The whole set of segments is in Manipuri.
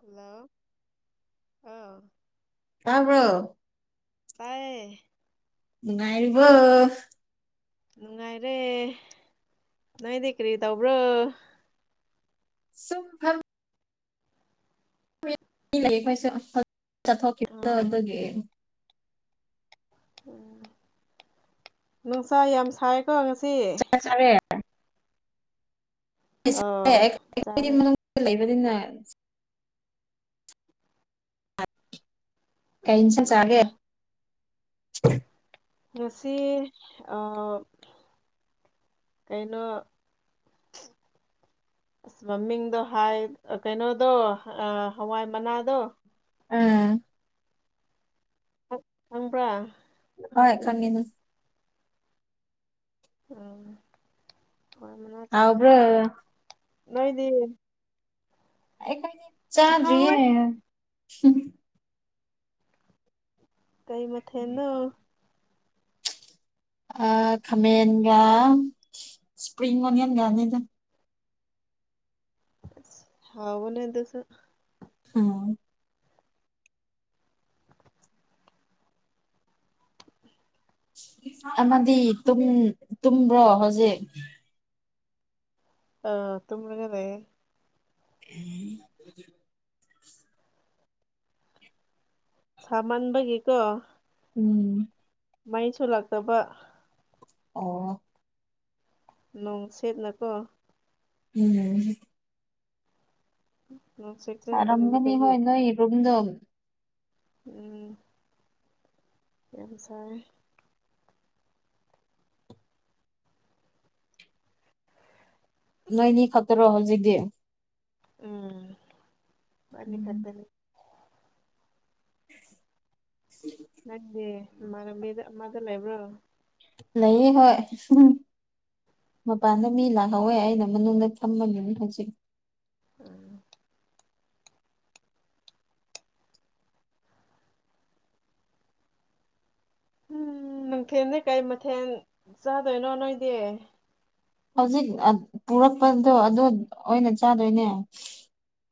ꯍꯜꯂꯣ ꯍꯥꯎ ꯇꯥꯕ꯭ꯔꯣ ꯇꯥꯏꯌꯦ ꯅꯨꯡꯉꯥꯏꯔꯤꯕꯣ ꯅꯨꯡꯉꯥꯏꯔꯦ ꯅꯣꯏꯗꯤ ꯀꯔꯤ ꯇꯧꯕ꯭ꯔꯣ ꯁꯨꯝ ꯐꯝ ꯃꯤ ꯂꯩꯈꯩꯁꯦ ꯆꯠꯊꯣꯛꯈꯤꯕꯗꯣ ꯑꯥ ꯑꯗꯨꯒꯤ ꯎꯝ ꯅꯨꯡꯁꯥ ꯌꯥꯝ ꯁꯥꯏꯀꯣ ꯉꯁꯤ ꯆꯥꯛ ꯑꯥ ꯁꯥꯏꯌꯦ ꯑꯩꯈꯣꯏꯗꯤ ꯆꯥꯔꯦ ꯃꯅꯨꯡꯗ ꯂꯩꯕꯅꯤꯅ ꯀꯩ ꯑꯦꯟꯁꯥꯡ ꯎꯝ ꯆꯥꯒꯦ ꯉꯁꯤ ꯑꯥ ꯀꯩꯅꯣ ꯑꯁ ꯃꯃꯤꯡꯗꯣ ꯍꯥꯏ ꯀꯩꯅꯣꯗꯣ ꯍꯋꯥꯏ ꯃꯅꯥꯗꯣ ꯎꯝ ꯈꯪꯕ꯭ꯔꯥ ꯍꯣꯏ ꯈꯪꯉꯦꯅꯦ ꯎꯝ ꯍꯋꯥꯏ ꯃꯅꯥ ꯆꯥꯏ ꯍꯥꯎꯕ꯭ꯔꯣ ꯅꯣꯏꯗꯤ ꯑꯩ ꯀꯣꯏꯗꯤ ꯆꯥꯗ꯭ꯔꯤꯌꯦ ꯍꯥꯎꯋꯦ ꯀꯩ ꯃꯊꯦꯟꯅꯣ ꯑꯥ ꯈꯥꯃꯦꯟꯒ ꯏꯁꯄ꯭ꯔꯤꯡ ꯑꯣꯅꯤꯌꯟꯒꯅꯤꯗ ꯑꯁ ꯍꯥꯎꯕꯅꯦꯗꯨꯁꯨ ꯎꯝ ꯑꯃꯗꯤ ꯇꯨꯝꯕ꯭ꯔꯣ ꯍꯧꯖꯤꯛ ꯑꯥ ꯇꯨꯝꯂꯒ ꯂꯩꯌꯦ ꯎꯝ ꯁꯃꯥꯟꯕꯒꯤꯀꯣ ꯎꯝ ꯃꯩꯁꯨ ꯂꯥꯛꯇꯕ ꯑꯣ ꯅꯣꯡ ꯁꯦꯠꯅꯀꯣ ꯎꯝ ꯎꯝ ꯁꯔꯝꯒꯅꯤ ꯍꯣꯏ ꯅꯣꯏ ꯔꯨꯝꯗꯣ ꯎꯝ ꯌꯥꯝ ꯁꯥꯏꯌꯦ ꯅꯣꯏꯅꯤ ꯈꯇꯔꯣ ꯍꯧꯖꯤꯛꯗꯤ ꯎꯝ ꯎꯝ ꯅꯪꯗꯤ ꯏꯃꯥꯅꯕꯤ ꯑꯃꯗꯣ ꯂꯩꯕ꯭ꯔꯣ ꯂꯩꯌꯦ ꯍꯣꯏ ꯃꯄꯥꯟꯗ ꯃꯤ ꯂꯥꯛꯍꯧꯋꯦ ꯑꯩꯅ ꯃꯅꯨꯡꯗ ꯐꯝꯃꯅꯤ ꯍꯧꯖꯤꯛ ꯎꯝ ꯎꯝ ꯅꯨꯡꯊꯦꯝꯗꯤ ꯀꯩ ꯃꯊꯦꯜ ꯆꯥꯗꯣꯏꯅꯣ ꯅꯣꯏꯗꯤ ꯍꯧꯖꯤꯛ ꯄꯨꯔꯛꯄꯗꯣ ꯑꯗꯨ ꯑꯣꯏꯅ ꯆꯥꯗꯣꯏꯅꯦ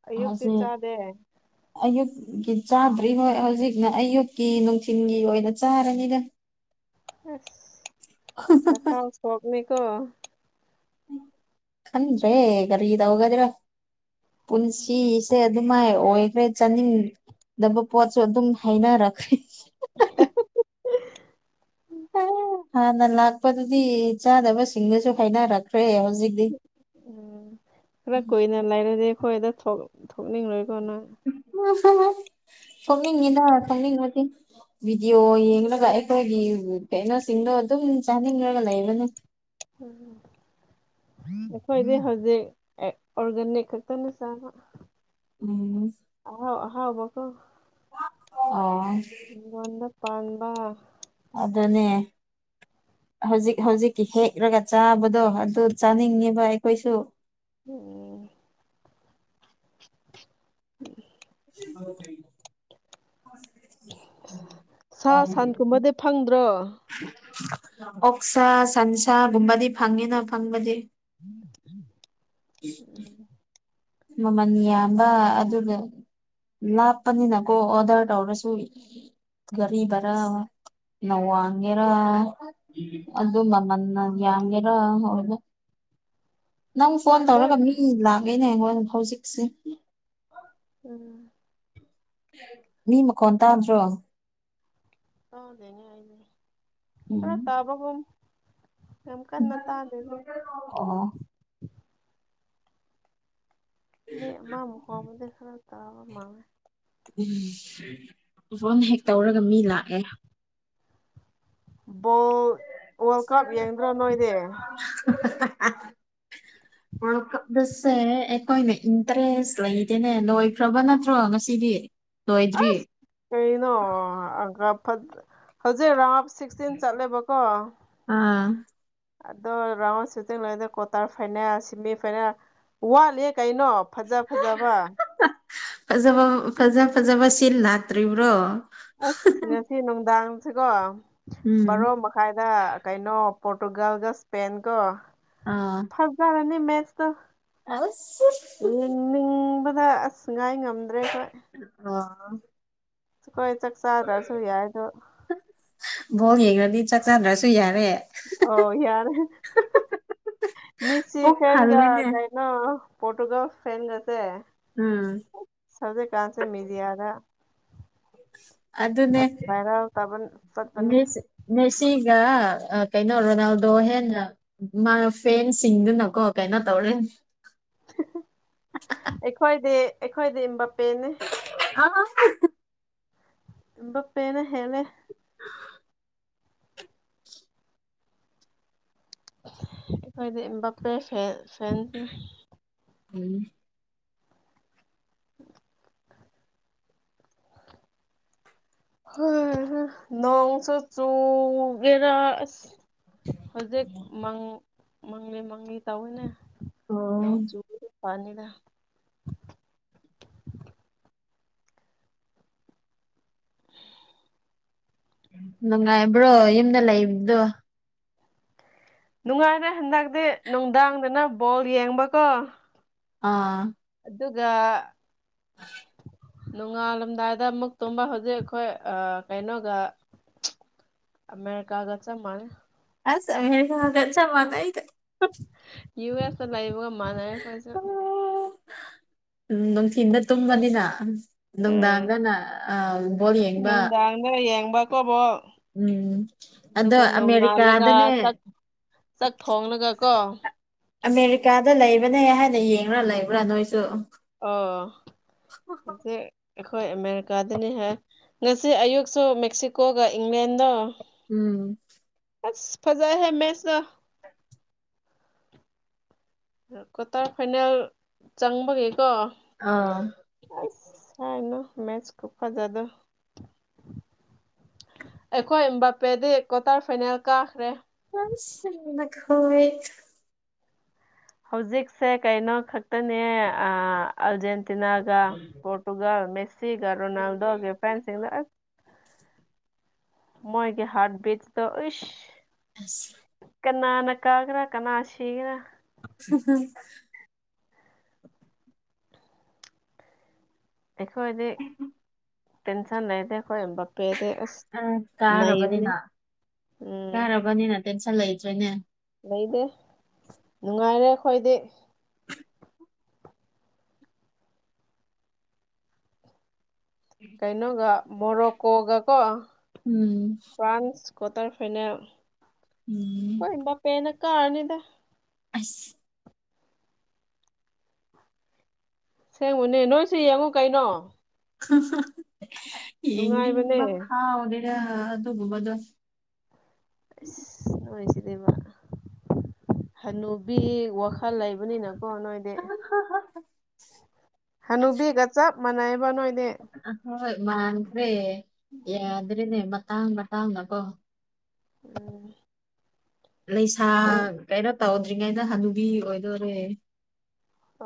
ꯑꯌꯨꯛꯇꯤ ꯍꯧꯖꯤꯛ ꯆꯥꯗꯦ ꯑꯌꯨꯛ ꯒꯤ ꯆꯥꯗ꯭ꯔꯤ ꯍꯣꯏ ꯍꯧꯖꯤꯛꯅ ꯑꯌꯨꯛꯀꯤ ꯅꯨꯡꯊꯤꯜꯒꯤ ꯑꯣꯏꯅ ꯆꯥꯔꯅꯤꯗ ꯑꯁ ꯆꯥꯛꯈꯥꯎ ꯁꯣꯛꯅꯤꯀꯣ ꯈꯟꯗ꯭ꯔꯦ ꯀꯔꯤꯗꯥꯎꯒꯗꯔ ꯄꯨꯟꯁꯤ ꯁꯦ ꯑꯗꯨꯃꯥꯏ ꯑꯣꯏꯈ꯭ꯔꯦ ꯆꯥꯅꯤꯡꯗꯕ ꯄꯣꯠꯁꯨ ꯑꯗꯨꯝ ꯍꯥꯩꯅꯔꯛꯈ꯭ꯔꯦ [unintelligible] ꯍꯥꯟꯅ ꯂꯥꯛꯄꯗꯨꯗꯤ ꯆꯥꯗꯕꯁꯤꯡꯗꯨꯁꯨ ꯍꯥꯏꯅꯔꯛꯈ꯭ꯔꯦ ꯍꯧꯖꯤꯛ ꯎꯝ ꯈꯔ ꯀꯨꯏꯅ ꯂꯥꯏꯔꯗꯤ ꯑꯩꯈꯣꯏꯗ ꯊꯣꯛ ꯊꯣꯛꯅꯤꯡꯂꯣꯏꯀꯅ ꯅꯣꯏ ꯊꯣꯛꯅꯤꯡꯒꯅꯤꯅ ꯊꯣꯛꯅꯤꯡꯕꯗꯤ ꯚꯤꯗꯤꯑꯣ ꯌꯦꯡꯂꯒ ꯑꯩꯈꯣꯏꯒꯤ ꯀꯩꯅꯣꯁꯤꯡꯗꯣ ꯑꯗꯨꯝ ꯆꯥꯅꯤꯡꯉꯒ ꯂꯩꯕꯅꯤ ꯎꯝ ꯑꯩꯈꯣꯏꯗꯤ ꯍꯧꯖꯤꯛ ꯑꯣꯔꯒꯥꯅꯤꯛ ꯈꯛꯇꯅꯦ ꯆꯥꯕ ꯎꯝ ꯑꯍꯥꯎꯕ ꯀꯣ ꯑꯣ ꯍꯤꯡꯒꯣꯟꯗ ꯄꯥꯟꯕ ꯑꯗꯨꯅꯦ ꯍꯧꯖꯤꯛ ꯍꯧꯖꯤꯛꯀꯤ ꯍꯦꯛꯔꯒ ꯆꯥꯕꯗꯣ ꯑꯗꯨ ꯆꯥꯅꯤꯡꯉꯦꯕ ꯑꯩꯈꯣꯏꯁꯨ ꯎꯝ ꯎꯝ [inaudible] ꯁꯥ ꯁꯟ ꯀꯨꯝꯕꯗꯤ ꯐꯪꯗ꯭ꯔꯣ ꯑꯣꯛꯁꯥ ꯁꯟꯁꯥꯒꯨꯝꯕꯗꯤ ꯐꯪꯉꯦꯅ ꯐꯪꯕꯗꯤ ꯎꯝ ꯃꯃꯜ ꯌꯥꯝꯕ ꯑꯗꯨꯒꯤ ꯂꯥꯞꯄꯅꯤꯅꯥꯀꯣ ꯑꯣꯗꯔ ꯇꯧꯔꯁꯨ ꯒꯔꯤ ꯚꯥꯔ ꯅꯋꯥꯡꯒꯦꯔ ꯑꯗꯨ ꯃꯃꯅ ꯌꯥꯝꯒꯦꯔ ꯑꯣꯏꯕ ꯅꯪ ꯐꯣꯟ ꯅꯣꯏ ꯇꯧꯔꯒ ꯃꯤ ꯂꯥꯛꯑꯦꯅꯦ ꯑꯩꯉꯣꯟꯗ ꯍꯧꯖꯤꯛꯁꯦ ꯎꯝ ꯃꯤ ꯃꯈꯣꯟ ꯇꯥꯗ꯭ꯔꯣ ꯀꯥꯎꯗꯅꯦꯅꯦ ꯎꯝ ꯐꯔꯛ ꯇꯕꯒꯨꯝ ꯑꯣ ꯃꯤ ꯑꯃꯃꯨꯛ ꯍꯣꯡꯕ ꯐꯔꯛ ꯇꯕ ꯃꯥꯅꯦ ꯎꯝ ꯐꯣꯟ ꯍꯦꯛ ꯇꯧꯔꯒ ꯃꯤ ꯂꯥꯛꯑꯦ ꯕꯣꯜ ꯋꯥꯔꯜ ꯀꯞ ꯌꯦꯡꯗ꯭ꯔꯥ ꯅꯣꯏꯗꯤ ꯋꯥꯔꯜ ꯀꯞ ꯁꯦ ꯑꯩꯈꯣꯏꯅ ꯏꯟꯇꯔꯦꯁ ꯂꯩꯇꯦꯅꯦ ꯂꯣꯏꯈ꯭ꯔꯕ ꯅꯠꯇ꯭ꯔꯣ ꯉꯁꯤꯗꯤ ꯂꯣꯏꯗ꯭ꯔꯤ ꯑꯁ ꯀꯩꯅꯣ [unintelligible] ꯁꯤꯛꯁꯇꯤꯟ ꯆꯠꯂꯦꯕꯀꯣ ꯑꯥ ꯑꯗꯣ ꯔꯥꯎꯟ ꯁꯤꯛꯁꯇꯤꯟ ꯂꯣꯏꯔꯗꯤ ꯀ꯭ꯋꯥꯇꯔ ꯐꯥꯏꯅꯦꯜ ꯁꯤꯃꯤ ꯐꯥꯏꯅꯦꯜ ꯋꯥꯠꯂꯤ ꯀꯩꯅꯣ ꯐꯖ ꯐꯖꯕ ꯐꯖꯕ ꯐꯖ ꯐꯖꯕ ꯁꯤꯜ ꯂꯥꯛꯇ꯭ꯔꯤꯕꯣ ꯑꯁ ꯉꯁꯤ ꯅꯨꯡꯗꯥꯡꯁꯤꯀꯣ ꯎꯝ ꯕꯥꯔꯣ ꯃꯈꯥꯏꯗ ꯀꯩꯅꯣ ꯄꯣꯔꯇꯨꯒꯜꯒꯣ ꯁ꯭ꯄꯦꯟ ꯀꯣ ꯑꯥ ꯃꯦꯁ ꯑꯁ ꯑꯗ ꯑꯁ ꯉꯥꯏ ꯉꯝꯗ꯭ꯔꯦ ꯑꯩꯈꯣꯏ ꯑꯡ ꯍꯣꯏ ꯆꯥꯛ ꯆꯥꯗ꯭ꯔꯁꯨ ꯌꯥꯏꯗꯣ ꯕꯣꯜ ꯌꯦꯡꯂꯗꯤ ꯆꯥꯛ ꯆꯥꯗ꯭ꯔꯁꯨ ꯌꯥꯔꯦ ꯑꯣ ꯌꯥꯔꯦ ꯃꯤꯁꯤ ꯄꯨꯛ ꯐꯦꯟꯒ ꯊꯜꯂꯦꯅꯦ ꯀꯩꯅꯣ ꯄꯣꯔꯇꯨꯒꯜ ꯐꯦꯟꯒꯁꯦ ꯎꯝ ꯍꯧꯖꯤꯛꯀꯥꯟꯁꯦ ꯃꯦꯗꯤꯌꯥꯗ ꯑꯗꯨꯅꯦ ꯚꯥꯏꯔꯦꯜ ꯆꯠꯄꯅꯦ ꯃꯦꯁꯤ ꯀꯩꯔ ꯔꯣꯅꯥꯜꯗꯣ ꯍꯦꯟꯅ ꯃꯥ ꯐꯦꯟꯁꯤꯡꯗꯨꯅꯀꯣ ꯀꯩꯅꯣ ꯇꯧꯔꯅꯤ ꯑꯩꯈꯣꯏꯗꯤ ꯑꯩꯈꯣꯏꯗꯤ ꯃꯥꯞꯄꯦꯅꯤ ꯑꯥ ꯍꯥ ꯃꯥꯞꯄꯦꯅ ꯍꯦꯜꯂꯦ [inaudible] ꯑꯩꯈꯣꯏꯗꯤ ꯃꯥꯞꯄꯦ ꯐꯦꯟꯅꯦ ꯎꯝ ꯍꯩꯍꯦ ꯅꯣꯡꯁꯨ ꯆꯨꯒꯦꯔ ꯑꯁ ꯍꯧꯖꯤꯛ ꯃꯪꯂꯤ ꯃꯪꯂꯤ ꯇꯧꯋꯤꯅꯦ ꯑꯣ ꯅꯣꯡ ꯆꯨꯔꯗꯤ ꯐꯅꯤꯗ ꯅꯨꯡꯉꯥꯏꯕ꯭ꯔꯣ ꯌꯨꯝꯗ ꯂꯩꯕꯗꯣ ꯅꯨꯡꯉꯥꯏꯔꯦ ꯍꯟꯗꯛꯇꯤ ꯅꯨꯡꯗꯥꯡꯗꯅ ꯕꯣꯜ ꯌꯦꯡꯕꯀꯣ ꯑꯥ ꯑꯗꯨꯒ [inaudible] ꯅꯣꯡꯉꯥꯜꯂꯝꯗꯥꯏꯗ ꯑꯃꯨꯛ ꯇꯨꯝꯕ ꯍꯧꯖꯤꯛ ꯑꯩꯈꯣꯏ ꯑꯥ ꯀꯩꯅꯣꯒ ꯑꯃꯦꯔꯤꯀꯥꯒ ꯆꯞ ꯃꯥꯟꯅꯩ ꯑꯁ ꯆꯞ ꯃꯥꯟꯅꯩꯗ ꯌꯨ ꯑꯦꯁꯇ ꯂꯥꯏꯕꯒ ꯃꯥꯅꯔꯦ ꯑꯈꯣꯏꯁꯨ ꯎꯝ ꯅꯨꯡꯊꯤꯟꯗ ꯇꯨꯝꯕꯅꯤꯅ ꯎꯝ ꯅꯨꯡꯗꯥꯡꯗꯅ ꯕꯣꯜ ꯌꯦꯡꯕ ꯕ ꯐꯣꯔ ꯕꯣꯜ ꯎꯝ ꯑꯗꯣ ꯑꯗꯨꯒ ꯅꯣꯡꯉꯥꯜꯂꯒ ꯑꯃꯦꯔꯤꯀꯥꯗꯅꯦ ꯆꯥꯛ ꯆꯥꯛ ꯊꯣꯡꯂꯒ ꯀꯣ ꯑꯃꯦꯔꯤꯀꯥꯗ ꯂꯩꯕꯅꯦ ꯍꯥꯏꯅ ꯌꯦꯡꯔ ꯂꯩꯕ꯭ꯔ ꯅꯣꯏꯁꯨ ꯑꯣ ꯍꯧꯖꯤꯛ ꯑꯩꯈꯣꯏ ꯑꯃꯦꯔꯤꯀꯥꯗꯅꯤ ꯍꯦ ꯉꯁꯤ ꯑꯌꯨꯛꯁꯨ ꯃꯦꯛꯁꯤꯀꯣꯒ ꯏꯪꯂꯦꯟꯗ ꯎꯝ ꯑꯁ ꯐꯖꯥꯍꯦ ꯃꯦꯠꯁꯇꯣ ꯀ꯭ꯋꯥꯇꯔ ꯐꯥꯏꯅꯦꯜ ꯆꯪꯕꯒꯤ ꯀꯣ ꯑꯥ ꯑꯁ ꯍꯥꯏꯒꯅꯨ ꯃꯦꯠꯁ ꯈꯨꯐꯥꯖꯗꯣ ꯑꯩꯈꯣꯏ ꯃꯥꯞꯄꯦꯗꯤ ꯀ꯭ꯋꯥꯇꯔ ꯐꯥꯏꯅꯦꯜ ꯀꯥꯈ꯭ꯔꯦ ꯌꯥꯝ ꯁꯤꯡꯅ ꯀꯥꯎꯌꯦ ꯍꯧꯖꯤꯛꯁꯦ ꯀꯩꯅꯣ ꯈꯛꯇꯅꯦ ꯑꯥ ꯑꯔꯖꯦꯟ ꯇꯤꯅꯥꯒꯥ ꯄꯣꯔꯇꯨꯒꯜ ꯃꯦꯁꯤꯒꯥ ꯔꯣꯅꯥꯜꯗꯣꯒꯤ ꯐꯦꯟꯁꯤꯡꯒ ꯑꯁ ꯃꯣꯏꯒꯤ ꯍꯥꯠꯕꯤꯠꯗꯣ ꯑꯁ ꯑꯁ ꯀꯅꯥꯅ ꯀꯒ꯭ꯔꯦꯔ ꯀꯅꯥꯅ ꯁꯤꯒꯦꯔ ꯎꯝ ꯑꯩꯈꯣꯏꯗꯤ ꯇꯦꯟꯁꯟ ꯂꯩꯗꯦ ꯈꯣꯏ ꯑꯦꯝꯕꯄꯦꯗꯤ ꯑꯁ ꯑ ꯅꯩꯕꯅꯦ ꯀꯥꯔꯕꯅꯤꯅ ꯎꯝ ꯀꯥꯔꯕꯅꯤꯅ ꯇꯦꯟꯁꯟ ꯂꯩꯇ꯭ꯔꯦꯅꯦ ꯂꯩꯗꯦ ꯅꯨꯡꯉꯥꯏꯔꯦ ꯑꯩꯈꯣꯏꯗꯤ ꯀꯩꯅꯣꯒ ꯃꯣꯔꯣꯀꯣꯒꯀꯣ ꯎꯝ ꯐ꯭ꯔꯥꯟꯁ ꯀꯣꯇꯔ ꯐꯥꯏꯅꯦꯜ ꯎꯝ ꯈꯣꯏꯕꯄꯦꯅ ꯀꯥꯔꯅꯤꯗ ꯑꯁ ꯑꯁꯦꯡꯕꯅꯦ ꯅꯣꯏꯁꯨ ꯌꯦꯡꯉꯨ ꯀꯩꯅꯣ ꯑꯍꯥꯍꯥꯍꯥ ꯅꯨꯡꯉꯥꯏꯕꯅꯦ ꯌꯦꯡꯅꯤꯕ ꯐꯥꯎꯗꯦ ꯌꯥ ꯑꯗꯨꯒꯨꯝꯕꯗꯣ ꯍꯅꯨ ꯕꯤ ꯋꯥꯈꯜ ꯂꯩꯕꯅꯤꯅꯀꯣ ꯅꯣꯏꯗꯤ ꯍꯅꯨꯕꯤꯒ ꯆꯞ ꯃꯥꯟꯅꯩꯕ ꯅꯣꯏꯗꯤ ꯍꯣꯏ ꯃꯥꯟꯈ꯭ꯔꯦ ꯌꯥꯗ꯭ꯔꯔꯤꯅꯦ ꯃꯇꯥꯡ ꯃꯇꯥꯡꯅꯀꯣ ꯎꯝ ꯂꯩꯁꯥ ꯑꯩꯈꯣꯏ ꯀꯩꯅꯣ ꯇꯧꯗ꯭ꯔꯤꯉꯩꯗ ꯍꯅꯨꯕꯤ ꯑꯣꯏꯗꯣꯔꯦ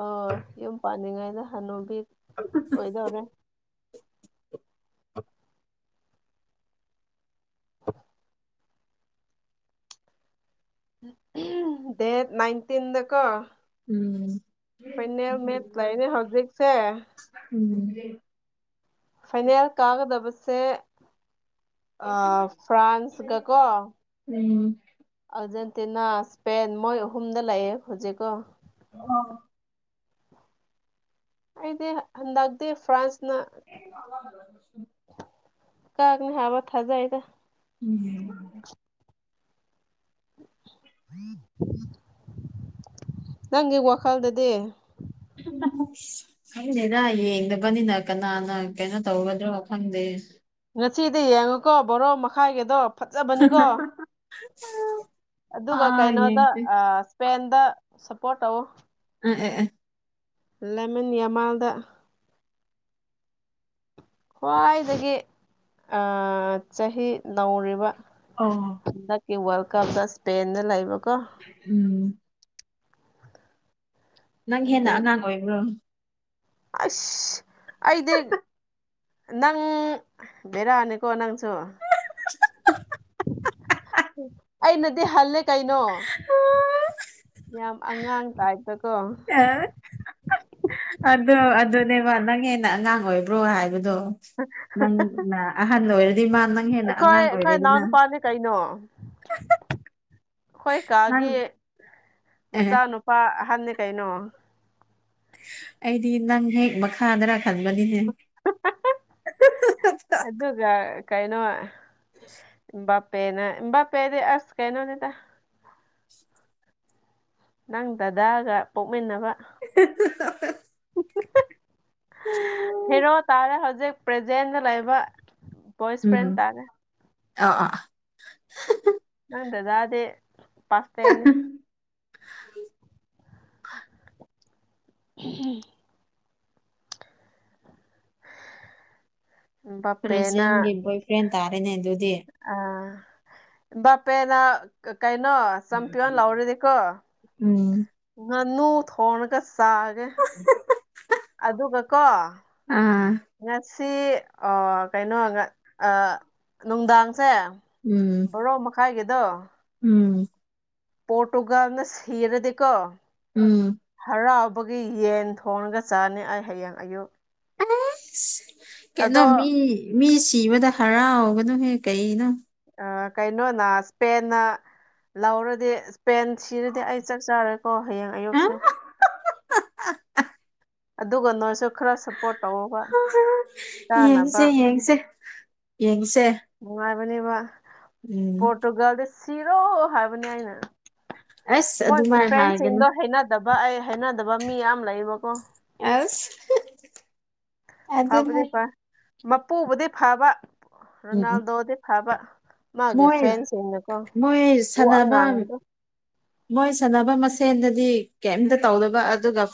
ꯑꯣ ꯌꯨꯝ ꯄꯥꯟꯅꯤꯡꯉꯩꯗ ꯍꯅꯨꯕꯤ ꯑꯣꯏꯗꯧꯔꯦ [inaudible] ꯑꯍꯝ ꯗꯦꯠ ꯅꯥꯏꯟꯇꯤꯟ ꯗ ꯀꯣ ꯎꯝ ꯐꯥꯏꯅꯦꯜ ꯃꯦꯠꯆ ꯂꯩꯅꯦ ꯍꯧꯖꯤꯛꯁꯦ ꯎꯝ ꯐꯥꯏꯅꯦꯜ ꯀꯥꯒꯗꯕꯁꯦ ꯑꯥ ꯐ꯭ꯔꯥꯟꯁ ꯒ ꯀꯣ ꯎꯝ ꯑꯔꯖꯦꯟ ꯇꯦꯅꯥ ꯁꯄꯦꯟ ꯃꯣꯏ ꯑꯍꯨꯝꯗ ꯂꯩꯑꯦ ꯍꯧꯖꯤꯛꯀꯣ ꯑꯣ ꯑꯩꯗꯤ ꯍꯟꯗꯛ ꯇꯤ ꯐ꯭ꯔꯥꯟꯁ [unintelligible] ꯀꯥꯒꯅꯤ ꯍꯥꯥꯕ ꯊꯥꯖꯩꯗ ꯎꯝ ꯅꯪꯒꯤ ꯋꯥꯈꯜꯗꯗꯤ ꯈꯪꯗꯦꯗ ꯌꯦꯡꯗꯕꯅꯤꯅ ꯀꯅꯥꯅ ꯀꯩꯅꯣ ꯇꯧꯒꯗ꯭ꯔꯣ ꯈꯪꯗꯦ ꯉꯁꯤꯗꯤ ꯌꯦꯡꯉꯀꯣ ꯕꯣꯔꯣ ꯃꯈꯥꯏꯒꯤꯗꯣ ꯐꯖꯕꯅꯤꯀꯣ ꯑꯗꯨꯒ ꯑꯥ ꯀꯩꯅꯣꯗ ꯌꯦꯡꯁꯦ ꯑꯥ ꯏꯁꯄꯦꯟꯗ ꯁꯄꯣꯔꯠ ꯇꯧ ꯎꯝ ꯑꯦ ꯑꯦ ꯂꯃꯦꯟ ꯌꯥꯃꯜꯗ ꯈ꯭ꯋꯥꯏꯗꯒꯤ ꯑꯥ ꯆꯍꯤ ꯅꯧꯔꯤꯕ ꯑꯣ ꯍꯟꯗꯛꯀꯤ ꯋꯥꯔꯜ ꯀꯞꯇ ꯏꯁꯄꯦꯟꯗ ꯂꯩꯕ ꯎꯝ ꯅꯪ ꯍꯦꯟꯅ ꯑꯗꯨ ꯑꯉꯥꯡ ꯑꯣꯏꯕ꯭ꯔꯣ ꯑꯁ ꯑꯩꯗꯤ ꯅꯪ ꯕꯦꯔꯥꯅꯤꯀꯣ ꯅꯪ ꯗꯣ ꯑꯩꯅꯗꯤ ꯍꯜꯂꯦ ꯀꯩꯅꯣ ꯌꯥꯝ ꯑꯉꯥꯡ ꯇꯥꯏꯞꯇꯀꯣ ꯑꯗꯣ ꯑꯗꯨꯅꯦꯕ ꯅꯪ ꯍꯦꯟꯅ ꯑꯉꯥꯡ ꯑꯣꯏꯕ꯭ꯔꯣ ꯍꯥꯏꯕꯗꯣ ꯅꯪꯅ ꯑꯍꯟ ꯑꯣꯏꯔꯗꯤ ꯃꯥ ꯅꯪ ꯍꯦꯟꯅ ꯑꯩꯈꯣꯏ ꯑꯉꯥꯡ ꯑꯩꯈꯣꯏ ꯏꯅꯥꯎ ꯑꯣꯏꯔꯦꯗꯅ [unintelligible] ꯈꯣꯏ ꯅꯪ ꯀꯥꯒꯤ ꯑꯦ ꯃꯆꯥꯅꯨꯄꯥ ꯑꯍꯟꯅꯤ ꯀꯩꯅꯣ ꯑꯩꯗꯤ ꯅꯪ ꯍꯦꯛ ꯃꯈꯥꯗꯔ ꯈꯪꯕꯅꯤꯍꯦ [unintelligible] ꯑꯗꯨꯒ ꯀꯩꯅꯣ ꯑꯝꯕꯥꯄꯦꯅ ꯕꯥꯄꯦꯗꯤ ꯑꯁ ꯀꯩꯅꯣꯅꯤꯗ ꯅꯪ ꯗꯗꯥꯒ ꯄꯣꯛꯃꯤꯟꯅꯕ [unintelligible] ꯍꯦꯔꯣ ꯇꯥꯔꯦ ꯍꯧꯖꯤꯛ ꯄ꯭ꯔꯖꯦꯟꯗ ꯂꯩꯕ ꯕꯣꯏꯁ ꯐ꯭ꯔꯦꯟ ꯎꯝ ꯇꯥꯔꯦ ꯑꯥ ꯑꯥ ꯑꯥ [unintelligible] ꯅꯪ ꯗꯗꯥꯗꯤ ꯄꯥꯁꯇꯦꯟꯅꯦ [inaudible] ꯍꯝ ꯏꯝꯕꯥꯄꯦꯅ ꯄ꯭ꯔꯦꯖꯦꯟꯒꯤ ꯕꯣꯏꯐ꯭ꯔꯦꯟ ꯇꯥꯔꯦꯅꯦ ꯑꯗꯨꯗꯤ ꯕꯥꯄꯦꯅ ꯀ ꯀꯩꯅꯣ ꯆꯝꯄꯤꯌꯟ ꯂꯥꯎꯔꯗꯤꯀꯣ ꯎꯝ ꯉꯥꯅꯨ ꯊꯣꯡꯉꯒ ꯆꯥꯒꯦ ꯑꯗꯨꯒꯀꯣ ꯑꯥ ꯁꯤ ꯑꯥ ꯀꯩꯅꯣꯒ ꯑ ꯅꯨꯡꯗꯥꯡ ꯁꯦ ꯎꯝ ꯕꯣꯔꯣ ꯃꯈꯥꯏꯒꯤꯗꯣ ꯎꯝ ꯄꯣꯔꯇꯨꯒꯜꯅ ꯁꯤꯔꯗꯤꯀꯣ ꯎꯝ ꯍꯔꯥꯎ ꯕꯒꯤ ꯌꯦꯟ ꯊꯣꯡꯉꯒ ꯆꯥꯅꯤ ꯑꯩ ꯍꯌꯦꯡ ꯑꯌꯨꯛ ꯑꯁ ꯀꯩꯅꯣ ꯑꯗꯣ ꯃꯤ ꯃꯤ ꯁꯤꯕꯗ ꯍꯔꯥꯎꯒꯅꯨꯍꯦ ꯀꯩꯅꯣ ꯑ ꯀꯩꯅꯣꯅ ꯁ꯭ꯄꯦꯟꯅ ꯂꯧꯔꯗꯤ ꯄꯦꯟ ꯁꯤꯔꯗꯤ ꯑꯩ ꯆꯥꯛ ꯆꯥꯔꯣꯏꯀꯣ ꯍꯌꯦꯡ ꯑꯌꯨꯛꯁꯦ ꯑꯗꯨꯒ ꯅꯣꯏꯁꯨ ꯈꯔ ꯁꯞꯄꯣꯔꯠ ꯇꯧꯋꯣꯕ ꯀꯥꯅꯕ ꯌꯦꯡꯁ ꯅꯨꯡꯉꯥꯏꯕꯅꯦꯕ ꯎꯝ ꯄꯣꯔꯇꯨꯒꯜꯗꯨ ꯁꯤꯔꯣ ꯍꯥꯏꯕꯅꯦ ꯑꯩꯅ ꯑꯁ ꯃꯣꯏꯒꯤ ꯑꯗꯨꯃꯥꯏꯅ ꯍꯥꯏꯒꯅꯨ ꯐ꯭ꯔꯦꯟꯁꯤꯡꯗꯣ ꯍꯩꯅꯗꯕ ꯑꯩ ꯍꯩꯅꯗꯕ ꯃꯤ ꯌꯥꯝ ꯂꯩꯌꯦꯕꯀꯣ ꯑꯁ ꯐꯕꯨꯗꯤ ꯑꯗꯨꯅꯦ ꯐꯩ ꯃꯄꯨꯕꯨꯗꯤ ꯐꯕ ꯎꯝ ꯎꯝ ꯔꯣꯅꯥꯜꯗꯣꯗꯤ ꯐꯕ ꯃꯥꯒꯤ ꯃꯣꯏ ꯐꯦꯟꯁꯤꯡꯅꯀꯣ ꯃꯣꯏ ꯋꯥ ꯁꯅꯥꯕꯝ ꯉꯥꯡꯕꯗꯣ ꯃꯣꯏ ꯁꯥꯟꯅꯕ ꯃꯁꯦꯟꯗꯗꯤ ꯀ꯭ꯌꯝꯇ ꯇꯧꯗꯕ ꯑꯗꯨꯒ